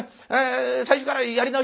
最初からやり直し」